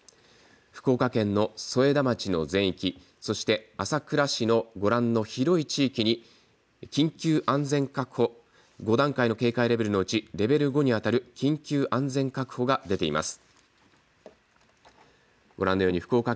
福岡県の添田町の全域、そして朝倉市のご覧の広い地域に緊急安全確保、５段階の警戒レベルのうちレベル５にあたる緊急安全確保が出ています。